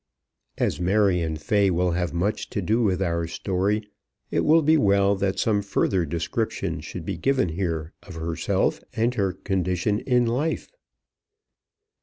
As Marion Fay will have much to do with our story, it will be well that some further description should be given here of herself and of her condition in life.